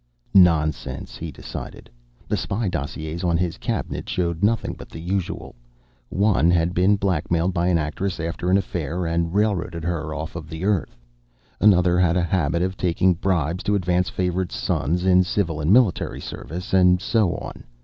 Nonsense, he decided. The spy dossiers on his Cabinet showed nothing but the usual. One had been blackmailed by an actress after an affair and railroaded her off the Earth. Another had a habit of taking bribes to advance favorite sons in civil and military service. And so on.